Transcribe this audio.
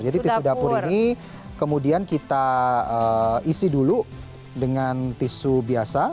jadi tisu dapur ini kemudian kita isi dulu dengan tisu biasa